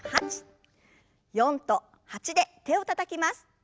４と８で手をたたきます。